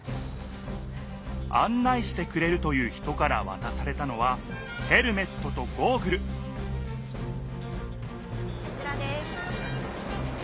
案内してくれるという人からわたされたのはヘルメットとゴーグルこちらです。